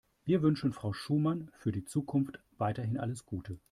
Wir wünschen Frau Schumann für die Zukunft weiterhin alles Gute.